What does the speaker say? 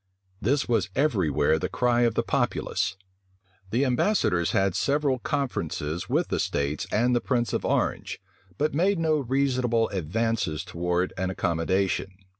This was every where the cry of the populace. The ambassadors had several conferences with the states and the prince of Orange; but made no reasonable advances towards an accommodation.